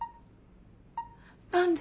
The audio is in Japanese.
何で？